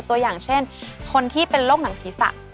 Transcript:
ตัวอย่างเช่นคนที่เป็นโรคหนังศีรษะ